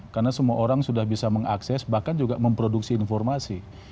karena semua orang sudah bisa mengakses bahkan juga memproduksi informasi